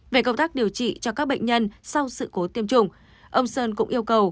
về công tác điều trị cho các bệnh nhân sau sự cố tiêm chủng ông sơn cũng yêu cầu